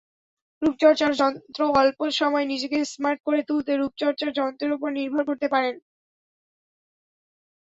রূপচর্চার যন্ত্রঅল্প সময়ে নিজেকে স্মার্ট করে তুলতে রূপচর্চার যন্ত্রের ওপর নির্ভর করতে পারেন।